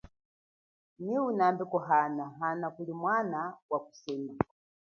Nyi unambe kuhana hana kulimwana wakusema.